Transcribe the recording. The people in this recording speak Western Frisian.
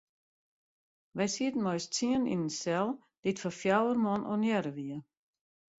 Wy sieten mei ús tsienen yn in sel dy't foar fjouwer man ornearre wie.